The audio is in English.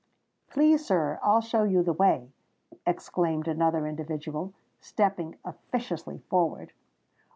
"Please, sir, I'll show you the way," exclaimed another individual, stepping officiously forward.